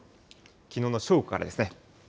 きのうの正午からですね。